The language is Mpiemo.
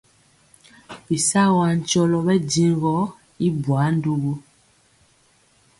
Bisagɔ ankyɔlɔ ɓɛ njiŋ gɔ i bwaa ndugu.